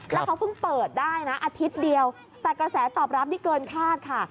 แล้วเขาเพิ่งเปิดได้นะอาทิตย์เดียวแต่กระแสตอบรับนี่เกินคาดค่ะ